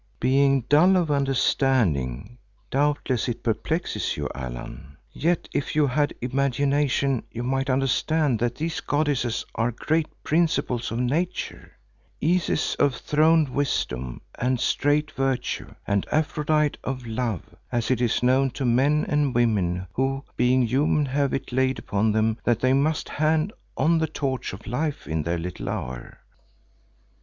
"Being dull of understanding doubtless it perplexes you, Allan. Yet if you had imagination you might understand that these goddesses are great Principles of Nature; Isis, of throned Wisdom and strait virtue, and Aphrodite, of Love, as it is known to men and women who, being human, have it laid upon them that they must hand on the torch of Life in their little hour.